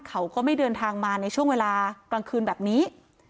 เขาก็ไม่เดินทางมาในช่วงเวลากลางคืนแบบนี้